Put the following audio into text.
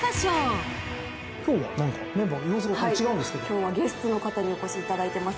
今日はゲストの方にお越しいただいています。